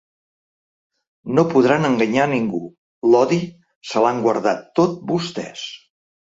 No podran enganyar a ningú, l'odi se'l han guardat tot vostès.